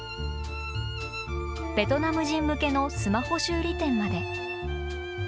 ベトナム人向けのスマホ修理店まで。